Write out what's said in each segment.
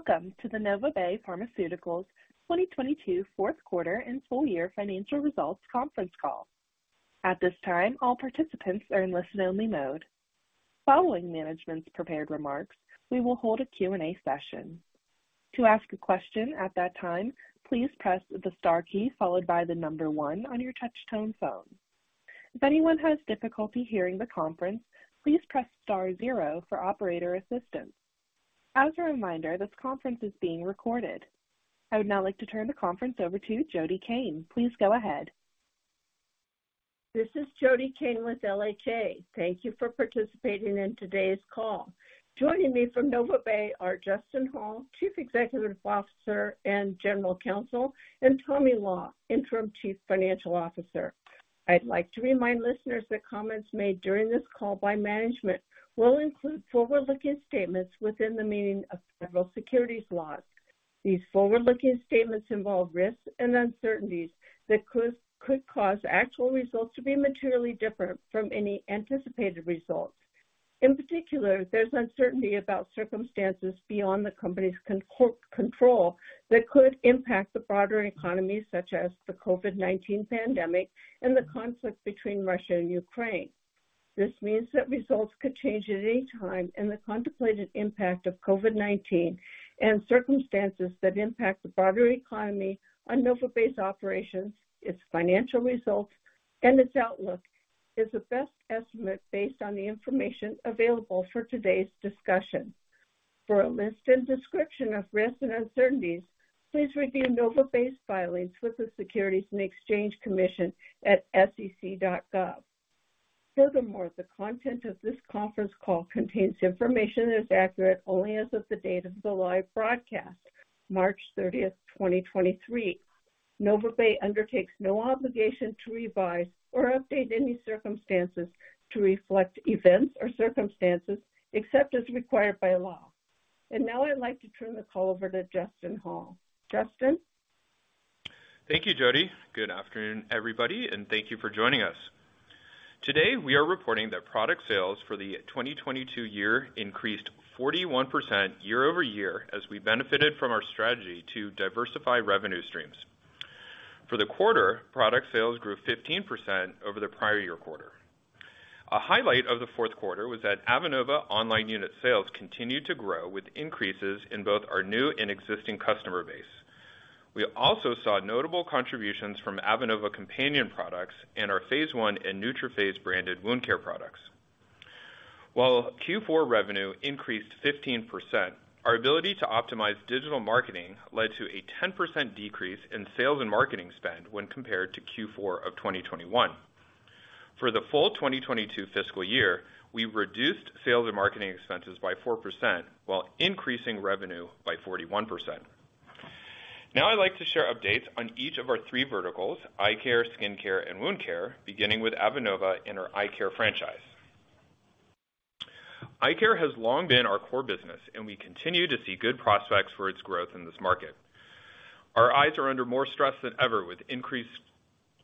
Welcome to the NovaBay Pharmaceuticals 2022 Q4 and full-year financial results conference call. At this time, all participants are in listen-only mode. Following management's prepared remarks, we will hold a Q&A session. To ask a question at that time, please press the star key followed by the one on your touch-tone phone. If anyone has difficulty hearing the conference, please press star zero for operator assistance. As a reminder, this conference is being recorded. I would now like to turn the conference over to Jody Cain. Please go ahead. This is Jody Cain with LHA. Thank you for participating in today's call. Joining me from NovaBay are Justin Hall, Chief Executive Officer and General Counsel, and Tommy Law, Interim Chief Financial Officer. I'd like to remind listeners that comments made during this call by management will include forward-looking statements within the meaning of several securities laws. These forward-looking statements involve risks and uncertainties that could cause actual results to be materially different from any anticipated results. In particular, there's uncertainty about circumstances beyond the company's control that could impact the broader economy, such as the COVID-19 pandemic and the conflict between Russia and Ukraine. This means that results could change at any time. The contemplated impact of COVID-19 and circumstances that impact the broader economy on NovaBay's operations, its financial results, and its outlook is a best estimate based on the information available for today's discussion. For a list and description of risks and uncertainties, please review NovaBay's filings with the Securities and Exchange Commission at sec.gov. Furthermore, the content of this conference call contains information that is accurate only as of the date of the live broadcast, March 30th, 2023. NovaBay undertakes no obligation to revise or update any circumstances to reflect events or circumstances except as required by law. Now I'd like to turn the call over to Justin Hall. Justin. Thank you, Jody. Good afternoon, everybody, and thank you for joining us. Today, we are reporting that product sales for the 2022 year increased 41% year-over-year as we benefited from our strategy to diversify revenue streams. For the quarter, product sales grew 15% over the prior year quarter. A highlight of the Q4 was that Avenova online unit sales continued to grow with increases in both our new and existing customer base. We also saw notable contributions from Avenova companion products and our PhaseOne and NeutroPhase-branded wound care products. While Q4 revenue increased 15%, our ability to optimize digital marketing led to a 10% decrease in sales and marketing spend when compared to Q4 of 2021. For the full 2022 fiscal year, we reduced sales and marketing expenses by 4% while increasing revenue by 41%. Now I'd like to share updates on each of our three verticals, eye care, skin care, and wound care, beginning with Avenova and our eye care franchise. Eye care has long been our core business. We continue to see good prospects for its growth in this market. Our eyes are under more stress than ever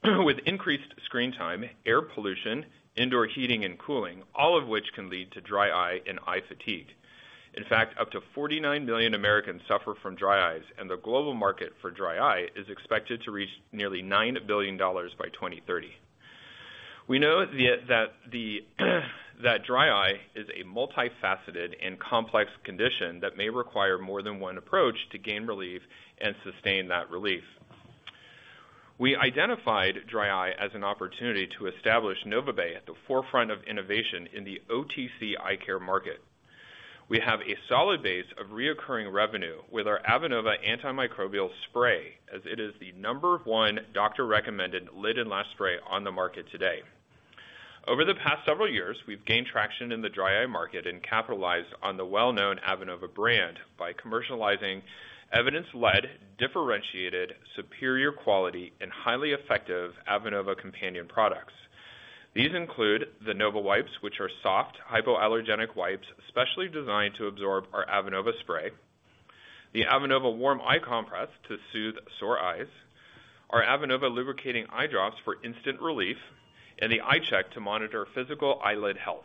with increased screen time, air pollution, indoor heating and cooling, all of which can lead to dry eye and eye fatigue. In fact, up to $49 million Americans suffer from dry eyes. The global market for dry eye is expected to reach nearly $9 billion by 2030. We know that dry eye is a multifaceted and complex condition that may require more than one approach to gain relief and sustain that relief. We identified dry eye as an opportunity to establish NovaBay at the forefront of innovation in the OTC eye care market. We have a solid base of reoccurring revenue with our Avenova antimicrobial spray, as it is the number one doctor-recommended lid and lash spray on the market today. Over the past several years, we've gained traction in the dry eye market and capitalized on the well-known Avenova brand by commercializing evidence-led, differentiated, superior quality, and highly effective Avenova companion products. These include the NovaWipes, which are soft, hypoallergenic wipes specially designed to absorb our Avenova spray. The Avenova Warm Eye Compress to soothe sore eyes, our Avenova Lubricating Eye Drops for instant relief, and the i-Chek to monitor physical eyelid health.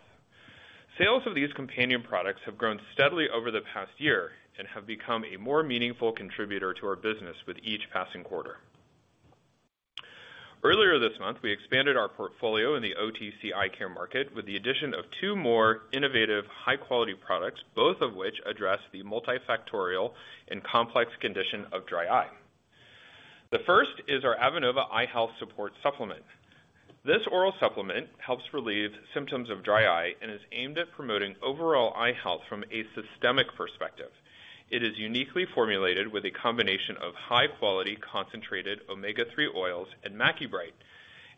Sales of these companion products have grown steadily over the past year and have become a more meaningful contributor to our business with each passing quarter. Earlier this month, we expanded our portfolio in the OTC eye care market with the addition of two more innovative, high-quality products, both of which address the multifactorial and complex condition of dry eye. The first is our Avenova Eye Health Support supplement. This oral supplement helps relieve symptoms of dry eye and is aimed at promoting overall eye health from a systemic perspective. It is uniquely formulated with a combination of high-quality concentrated omega-3 oils and MaquiBright,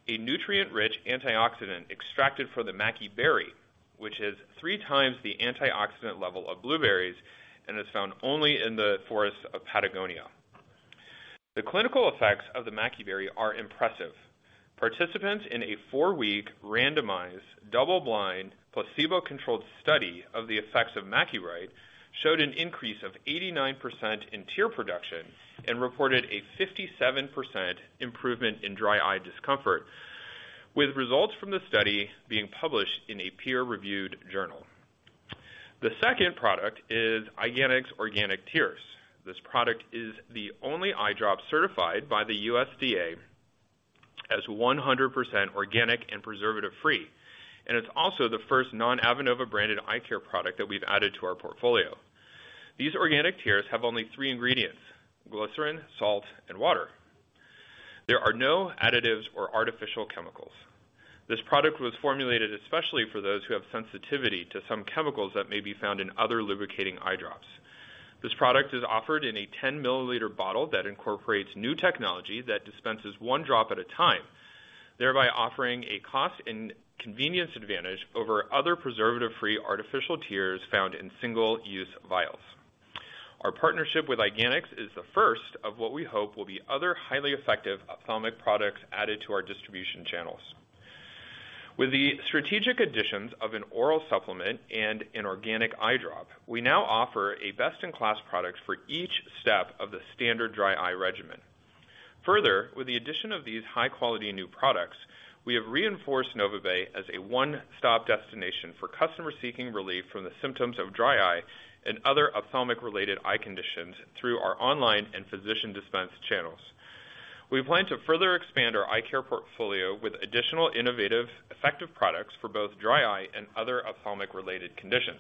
a nutrient-rich antioxidant extracted from the maqui berry, which is three times the antioxidant level of blueberries and is found only in the forests of Patagonia. The clinical effects of the maqui berry are impressive. Participants in a 4-week randomized, double-blind, placebo-controlled study of the effects of MaquiBright showed an increase of 89% in tear production and reported a 57% improvement in dry eye discomfort. With results from the study being published in a peer-reviewed journal. The second product is Eyeganics Organic Tears. This product is the only eye drop certified by the USDA as 100% organic and preservative-free, and it's also the first non-Avenova-branded eye care product that we've added to our portfolio. These organic tears have only three ingredients: glycerin, salt, and water. There are no additives or artificial chemicals. This product was formulated especially for those who have sensitivity to some chemicals that may be found in other lubricating eye drops. This product is offered in a 10-milliliter bottle that incorporates new technology that dispenses one drop at a time, thereby offering a cost and convenience advantage over other preservative-free artificial tears found in single-use vials. Our partnership with Eyeganics is the first of what we hope will be other highly effective ophthalmic products added to our distribution channels. With the strategic additions of an oral supplement and an organic eye drop, we now offer a best-in-class product for each step of the standard dry eye regimen. Further, with the addition of these high-quality new products, we have reinforced NovaBay as a one-stop destination for customers seeking relief from the symptoms of dry eye and other ophthalmic-related eye conditions through our online and physician dispense channels. We plan to further expand our eye care portfolio with additional innovative, effective products for both dry eye and other ophthalmic-related conditions.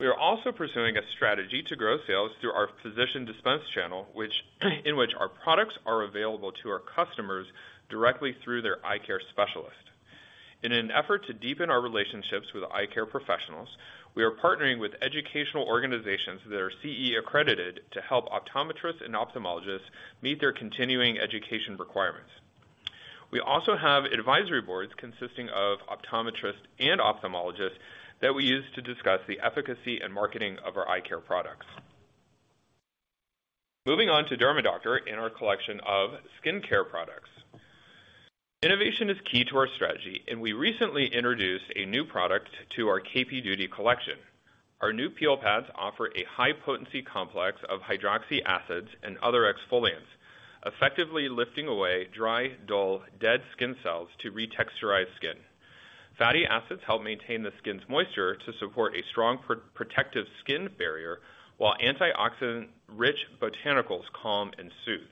We are also pursuing a strategy to grow sales through our physician dispense channel, in which our products are available to our customers directly through their eye care specialist. In an effort to deepen our relationships with eye care professionals, we are partnering with educational organizations that are CE accredited to help optometrists and ophthalmologists meet their continuing education requirements. We also have advisory boards consisting of optometrists and ophthalmologists that we use to discuss the efficacy and marketing of our eye care products. Moving on to DERMAdoctor and our collection of skincare products. Innovation is key to our strategy, and we recently introduced a new product to our KP Duty collection. Our new peel pads offer a high-potency complex of hydroxy acids and other exfoliants, effectively lifting away dry, dull, dead skin cells to retexturize skin. Fatty acids help maintain the skin's moisture to support a strong pro-protective skin barrier, while antioxidant-rich botanicals calm and soothe.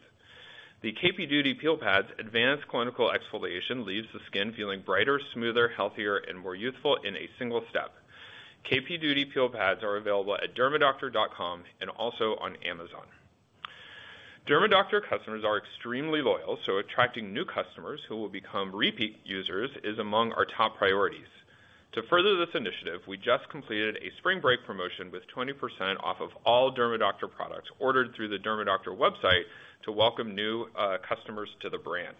The KP Duty Peel Pads' advanced clinical exfoliation leaves the skin feeling brighter, smoother, healthier, and more youthful in a single step. KP Duty Peel Pads are available at dermadoctor.com and also on Amazon. DERMAdoctor customers are extremely loyal, attracting new customers who will become repeat users is among our top priorities. To further this initiative, we just completed a spring break promotion with 20% off of all DERMAdoctor products ordered through the DERMAdoctor website to welcome new customers to the brand.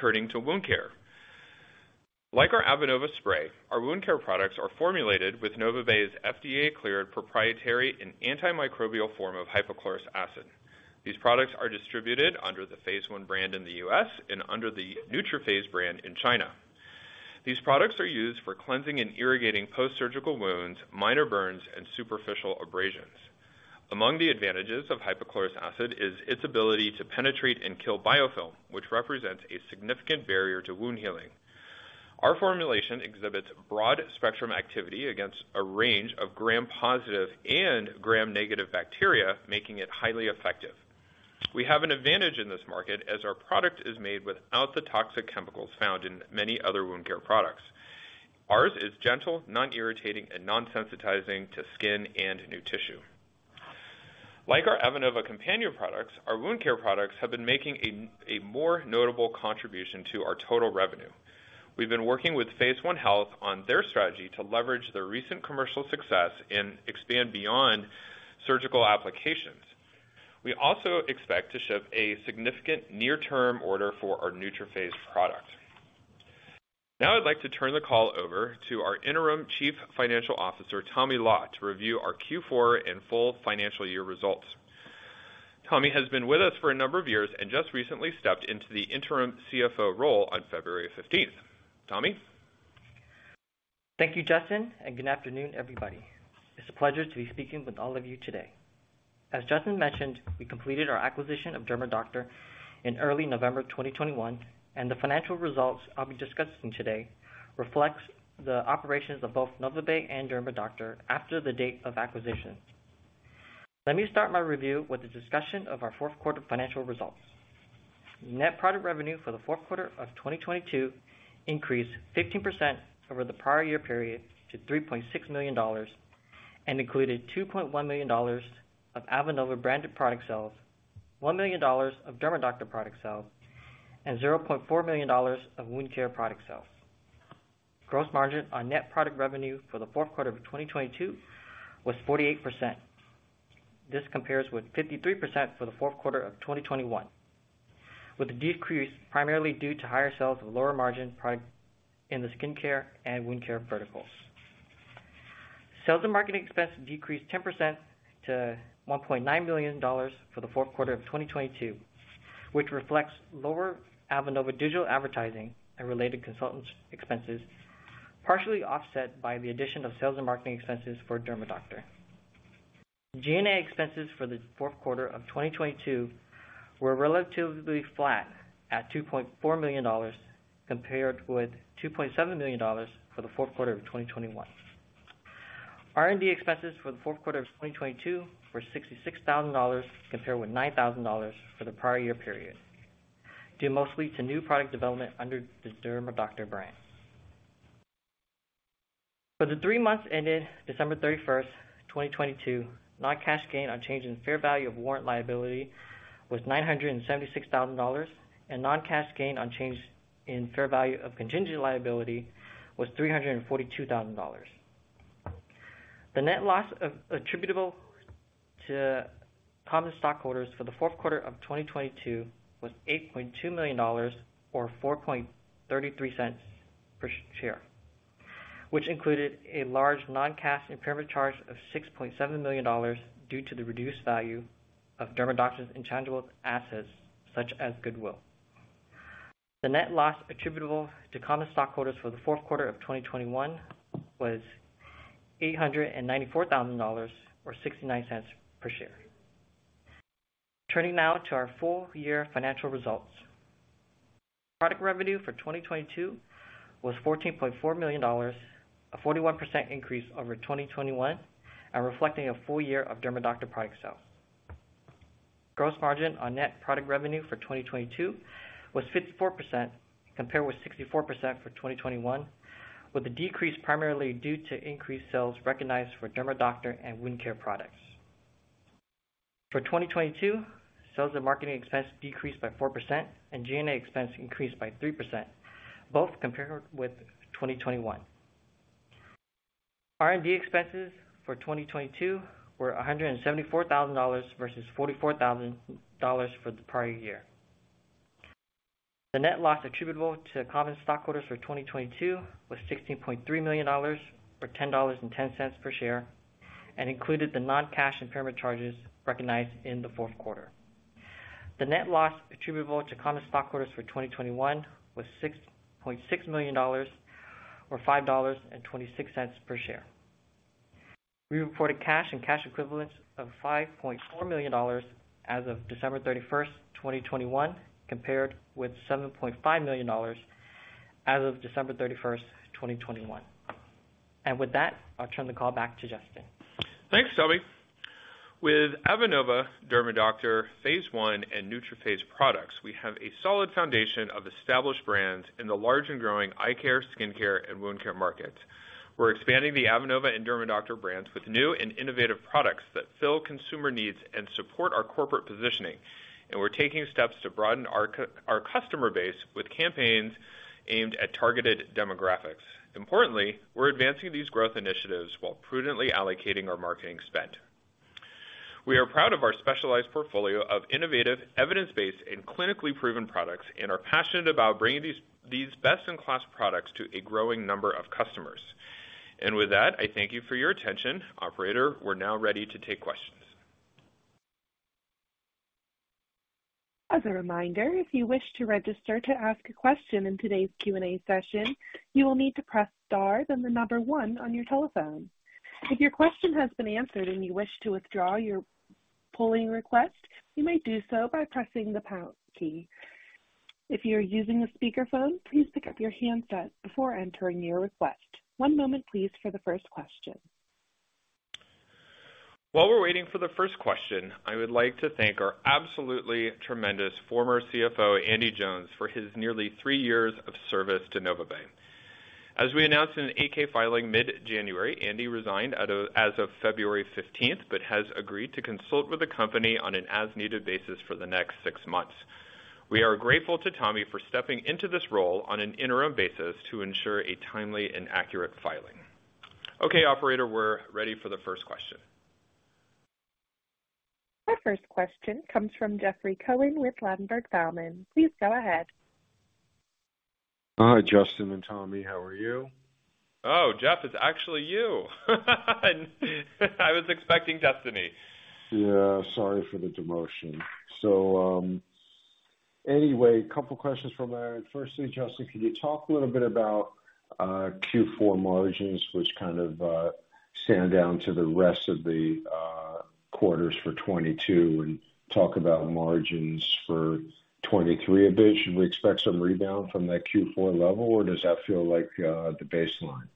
Turning to wound care. Like our Avenova spray, our wound care products are formulated with NovaBay's FDA-cleared proprietary and antimicrobial form of hypochlorous acid. These products are distributed under the PhaseOne brand in the US and under the NeutroPhase brand in China. These products are used for cleansing and irrigating post-surgical wounds, minor burns, and superficial abrasions. Among the advantages of hypochlorous acid is its ability to penetrate and kill biofilm, which represents a significant barrier to wound healing. Our formulation exhibits broad-spectrum activity against a range of gram-positive and gram-negative bacteria, making it highly effective. We have an advantage in this market as our product is made without the toxic chemicals found in many other wound care products. Ours is gentle, non-irritating, and non-sensitizing to skin and new tissue. Like our Avenova companion products, our wound care products have been making a more notable contribution to our total revenue. We've been working with PhaseOne Health on their strategy to leverage their recent commercial success and expand beyond surgical applications. We also expect to ship a significant near-term order for our NeutroPhase product. Now I'd like to turn the call over to our Interim Chief Financial Officer, Tommy Law, to review our Q4 and full financial year results. Tommy has been with us for a number of years and just recently stepped into the interim CFO role on February 15th. Tommy? Thank you, Justin, and good afternoon, everybody. It's a pleasure to be speaking with all of you today. As Justin mentioned, we completed our acquisition of DERMAdoctor in early November 2021, and the financial results I'll be discussing today reflects the operations of both NovaBay and DERMAdoctor after the date of acquisition. Let me start my review with a discussion of our Q4 financial results. Net Product Revenue for the Q4 of 2022 increased 15% over the prior year period to $3.6 million, and included $2.1 million of Avenova-branded product sales, $1 million of DERMAdoctor product sales, and $0.4 million of wound care product sales. Gross Margin on Net Product Revenue for the of 2022 was 48%. This compares with 53% for the Q4 of 2021, with the decrease primarily due to higher sales of lower margin product in the skincare and wound care verticals. Sales and marketing expense decreased 10% to $1.9 million for the Q4 of 2022, which reflects lower Avenova digital advertising and related consultants expenses, partially offset by the addition of sales and marketing expenses for DERMAdoctor. G&A expenses for the Q4 of 2022 were relatively flat at $2.4 million compared with $2.7 million for the Q4 of 2021. R&D expenses for the Q4 of 2022 were $66,000 compared with $9,000 for the prior year period, due mostly to new product development under the DERMAdoctor brand. For the 3 three months ending December 31st, 2022, non-cash gain on change in fair value of warrant liability was $976,000, non-cash gain on change in fair value of contingent liability was $342,000. The Net Loss attributable to common stockholders for the Q4 of 2022 was $8.2 million or $0.0433 per share, which included a large non-cash impairment charge of $6.7 million due to the reduced value of DERMAdoctor's intangible assets, such as goodwill. The Net Loss attributable to common stockholders for the Q4 of 2021 was $894,000 or $0.69 per share. Turning now to our full-year financial results. Product revenue for 2022 was $14.4 million, a 41% increase over 2021 and reflecting a full-year of DERMAdoctor product sales. Gross Margin on Net Product Revenue for 2022 was 54% compared with 64% for 2021, with the decrease primarily due to increased sales recognized for DERMAdoctor and wound care products. For 2022, sales and marketing expense decreased by 4% and G&A expense increased by 3%, both compared with 2021. R&D expenses for 2022 were $174,000 versus $44,000 for the prior year. The Net Loss attributable to common stockholders for 2022 was $16.3 million, or $10.10 per share, and included the non-cash impairment charges recognized in the Q4. The Net Loss attributable to common stockholders for 2021 was $6.6 million or $5.26 per share. We reported cash and cash equivalents of $5.4 million as of December 31st, 2021, compared with $7.5 million as of December 31st, 2021. With that, I'll turn the call back to Justin. Thanks, Tommy. With Avenova, DERMAdoctor, PhaseOne and NeutroPhase products, we have a solid foundation of established brands in the large and growing eye care, skincare and wound care markets. We're expanding the Avenova and DERMAdoctor brands with new and innovative products that fill consumer needs and support our corporate positioning. We're taking steps to broaden our customer base with campaigns aimed at targeted demographics. Importantly, we're advancing these growth initiatives while prudently allocating our marketing spend. We are proud of our specialized portfolio of innovative, evidence-based and clinically proven products, and are passionate about bringing these best-in-class products to a growing number of customers. With that, I thank you for your attention. Operator, we're now ready to take questions. As a reminder, if you wish to register to ask a question in today's Q&A session, you will need to press star then one on your telephone. If your question has been answered and you wish to withdraw your polling request, you may do so by pressing the pound key. If you're using a speakerphone, please pick up your handset before entering your request. One moment please for the first question. While we're waiting for the first question, I would like to thank our absolutely tremendous former CFO, Andrew Jones, for his nearly three years of service to NovaBay. As we announced in an 8-K filing mid-January, Andy resigned as of February 15th, but has agreed to consult with the company on an as-needed basis for the next six months. We are grateful to Tommy for stepping into this role on an interim basis to ensure a timely and accurate filing. Operator, we're ready for the first question. Our first question comes from Jeffrey Cohen with Ladenburg Thalmann. Please go ahead. Hi, Justin and Tommy. How are you? Oh, Jeff, it's actually you. I was expecting Destiny. Sorry for the demotion. Anyway, a couple questions from there. Firstly, Justin, can you talk a little bit about Q4 margins which kind of stand down to the rest of the quarters for 2022 and talk about margins for 2023 a bit? Should we expect some rebound from that Q4 level, or does that feel like the baseline?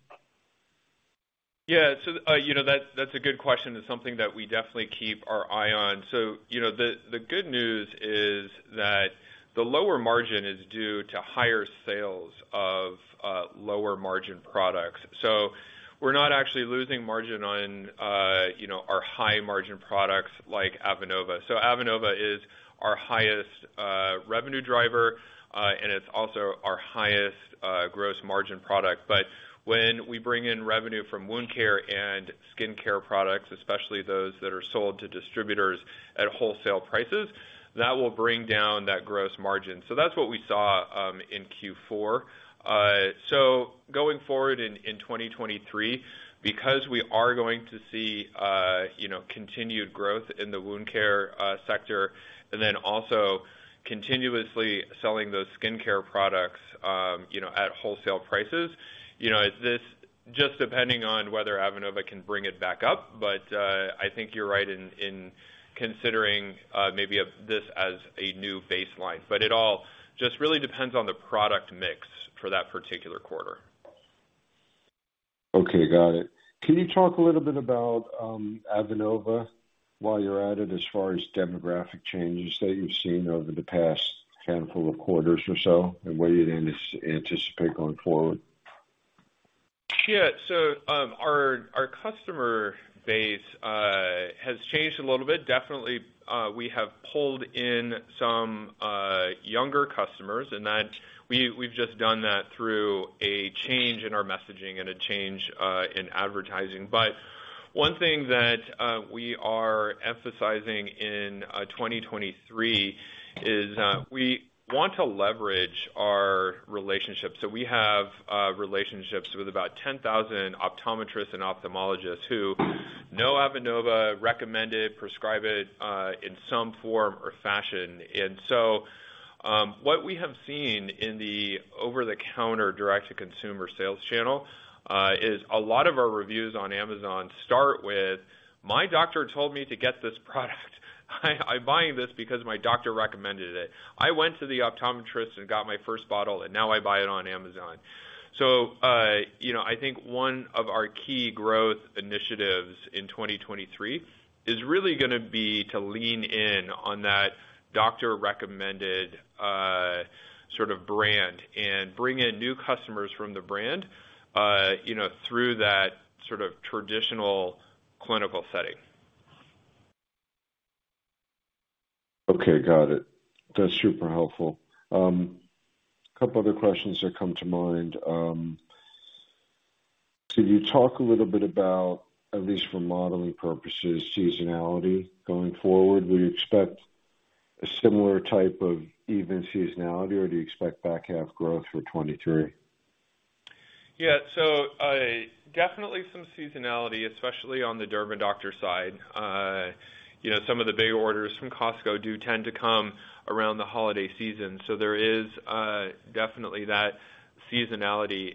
Yeah. You know, that's a good question. It's something that we definitely keep our eye on. You know, the good news is that the lower margin is due to higher sales of lower margin products. We're not actually losing margin on, you know, our high margin products like Avenova. Avenova is our highest revenue driver, and it's also our highest Gross Margin product. When we bring in revenue from wound care and skin care products, especially those that are sold to distributors at wholesale prices, that will bring down that Gross Margin. That's what we saw in Q4. Going forward in 2023, because we are going to see, you know, continued growth in the wound care sector and then also selling those skincare products, you know, at wholesale prices. You know, is this just depending on whether Avenova can bring it back up, but I think you're right in considering this as a new baseline. It all just really depends on the product mix for that particular quarter. Okay. Got it. Can you talk a little bit about Avenova while you're at it as far as demographic changes that you've seen over the past handful of quarters or so, and what you'd anticipate going forward? Yeah. Our customer base has changed a little bit. Definitely, we have pulled in some younger customers, and we've just done that through a change in our messaging and a change in advertising. One thing that we are emphasizing in 2023 is we want to leverage our relationships. We have relationships with about 10,000 optometrists and ophthalmologists who know Avenova, recommend it, prescribe it in some form or fashion. What we have seen in the over-the-counter direct-to-consumer sales channel is a lot of our reviews on Amazon start with, "My doctor told me to get this product. I'm buying this because my doctor recommended it. I went to the optometrist and got my first bottle, and now I buy it on Amazon." You know, I think one of our key growth initiatives in 2023 is really gonna be to lean in on that doctor-recommended sort of brand and bring in new customers from the brand, you know, through that sort of traditional clinical setting. Okay. Got it. That's super helpful. Couple other questions that come to mind. Could you talk a little bit about, at least for modeling purposes, seasonality going forward? Would you expect a similar type of even seasonality, or do you expect back half growth for 2023? Definitely some seasonality, especially on the DERMAdoctor side. You know, some of the big orders from Costco do tend to come around the holiday season. There is definitely that seasonality.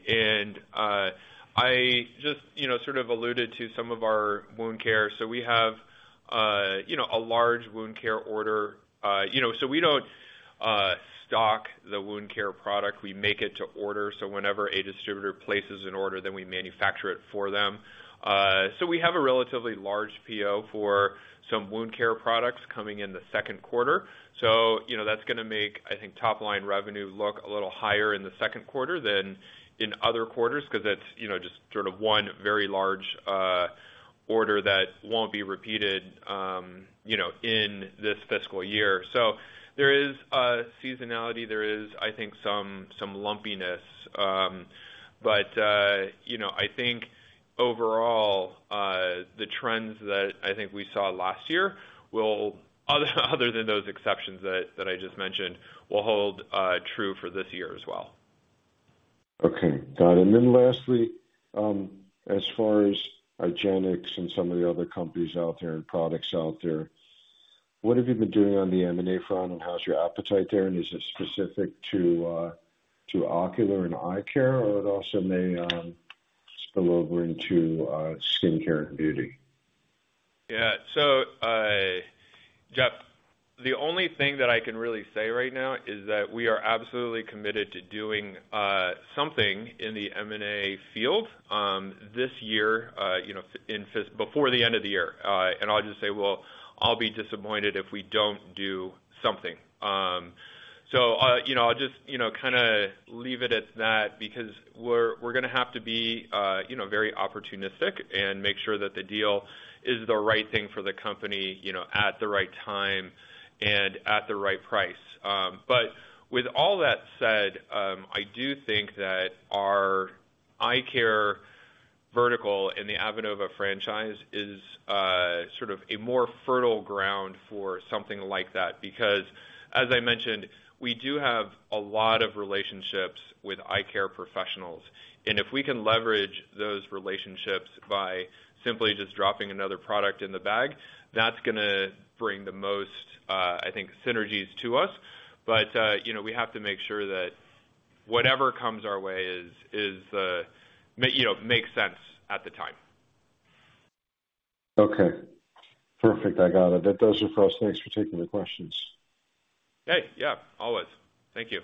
I just, you know, sort of alluded to some of our wound care. We have, you know, a large wound care order. You know, we don't stock the wound care product. We make it to order. Whenever a distributor places an order, then we manufacture it for them. We have a relatively large PO for some wound care products coming in the Q2. You know, that's gonna make, I think, top-line revenue look a little higher in the Q2 than in other quarters 'cause it's, you know, just sort of one very large order that won't be repeated, you know, in this fiscal year. There is a seasonality. There is, I think, some lumpiness. You know, I think overall, the trends that I think we saw last year will, other than those exceptions that I just mentioned, will hold true for this year as well. Okay. Got it. Then lastly, as far as Eyeganics and some of the other companies out there and products out there, what have you been doing on the M&A front, and how's your appetite there? Is it specific to ocular and eye care, or it also may spill over into skincare and beauty? Jeff, the only thing that I can really say right now is that we are absolutely committed to doing something in the M&A field this year, you know, before the end of the year. I'll just say, I'll be disappointed if we don't do something. You know, I'll just, you know, kinda leave it at that because we're gonna have to be, you know, very opportunistic and make sure that the deal is the right thing for the company, you know, at the right time and at the right price. With all that said, I do think that our eye care vertical in the Avenova franchise is sort of a more fertile ground for something like that. As I mentioned, we do have a lot of relationships with eye care professionals. If we can leverage those relationships by simply just dropping another product in the bag, that's gonna bring the most, I think, synergies to us. You know, we have to make sure that whatever comes our way is, you know, makes sense at the time. Okay. Perfect. I got it. Those are for us. Thanks for taking the questions. Hey. Yeah. Always. Thank you.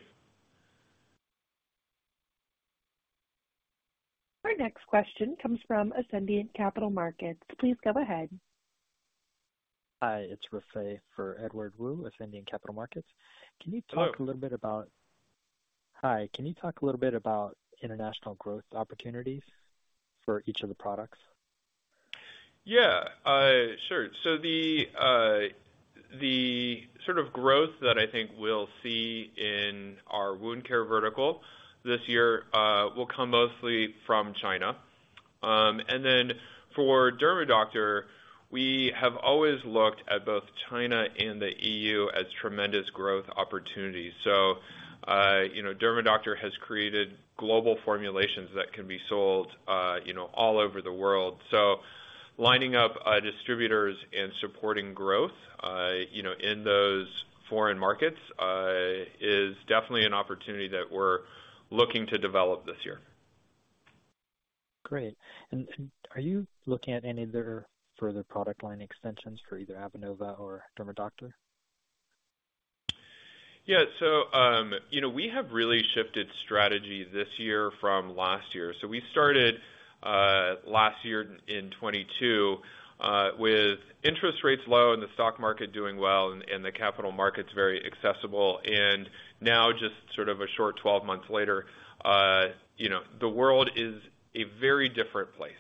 Our next question comes from Ascendiant Capital Markets. Please go ahead. Hello. Hi. Can you talk a little bit about international growth opportunities for each of the products? Yeah. Sure. The sort of growth that I think we'll see in our wound care vertical this year will come mostly from China. And then for DERMAdoctor, we have always looked at both China and the EU as tremendous growth opportunities. You know, DERMAdoctor has created global formulations that can be sold, you know, all over the world. Lining up distributors and supporting growth, you know, in those foreign markets is definitely an opportunity that we're looking to develop this year. Great. Are you looking at any other further product line extensions for either Avenova or DERMAdoctor? Yeah. you know, we have really shifted strategy this year from last year. We started last year in 2022 with interest rates low and the stock market doing well and the capital markets very accessible. Now just sort of a short 12 months later, you know, the world is a very different place.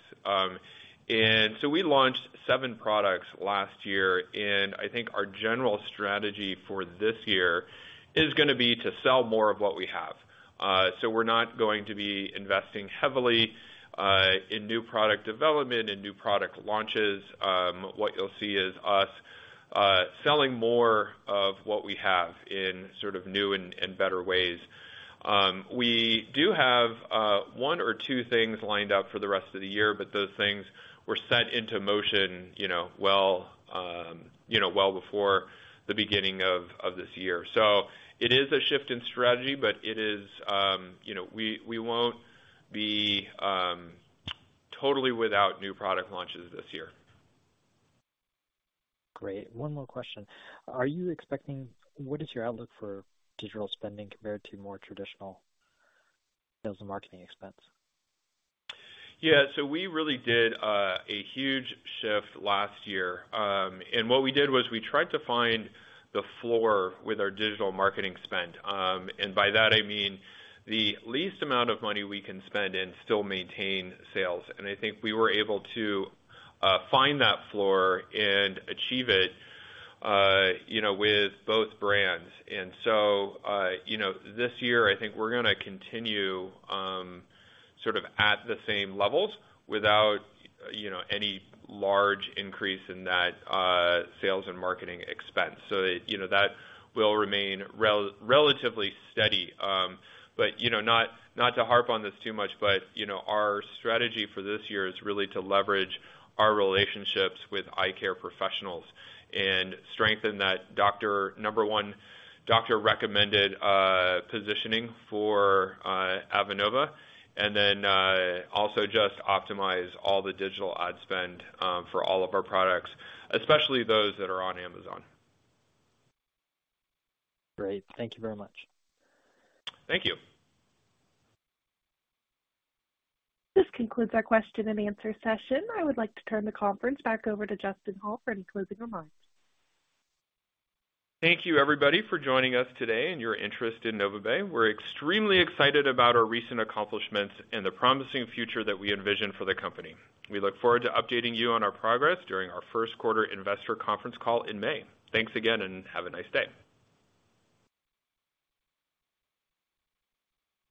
We launched seven products last year, and I think our general strategy for this year is gonna be to sell more of what we have. We're not going to be investing heavily in new product development and new product launches. What you'll see is us selling more of what we have in sort of new and better ways. We do have one or two things lined up for the rest of the year, but those things were set into motion, you know, well, you know, well before the beginning of this year. It is a shift in strategy, but it is, you know, we won't be totally without new product launches this year. Great. One more question. What is your outlook for digital spending compared to more traditional sales and marketing expense? Yeah. We really did a huge shift last year. What we did was we tried to find the floor with our digital marketing spend. By that I mean the least amount of money we can spend and still maintain sales. I think we were able to find that floor and achieve it, you know, with both brands. You know, this year I think we're gonna continue sort of at the same levels without, you know, any large increase in that sales and marketing expense. You know, that will remain relatively steady. You know, not to harp on this too much, but, you know, our strategy for this year is really to leverage our relationships with eye care professionals and strengthen that doctor number one doctor-recommended positioning for Avenova, and then, also just optimize all the digital ad spend for all of our products, especially those that are on Amazon. Great. Thank you very much. Thank you. This concludes our question and answer session. I would like to turn the conference back over to Justin Hall for any closing remarks. Thank you everybody for joining us today and your interest in NovaBay. We're extremely excited about our recent accomplishments and the promising future that we envision for the company. We look forward to updating you on our progress during our Q1 investor conference call in May. Thanks again. Have a nice day.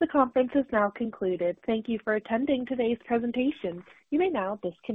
The conference is now concluded. Thank you for attending today's presentation. You may now disconnect.